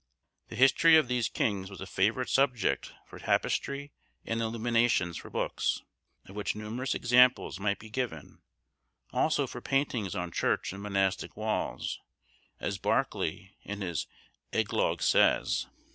The history of these kings was a favourite subject for tapestry and illuminations for books, of which numerous examples might be given; also for paintings on church and monastic walls, as Barclay, in his Egloges, says